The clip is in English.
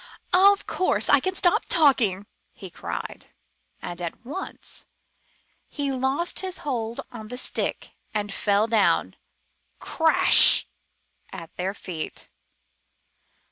"Of course I can stop talk ing!" he cried, and at once he lost his hold on the stick and fell down, crash, at their feet.